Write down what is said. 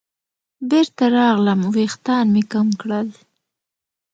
بېرته راغلم ویښتان مې کم کړل.